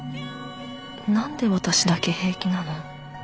何で私だけ平気なの？